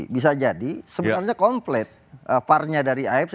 bisa jadi sebenarnya komplit farnya dari afc